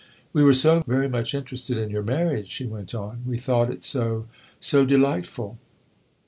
"We were so very much interested in your marriage," she went on. "We thought it so so delightful."